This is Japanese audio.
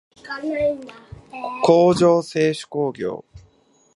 工場制手工業